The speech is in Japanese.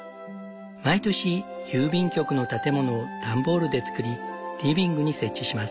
毎年郵便局の建物を段ボールで作りリビングに設置します。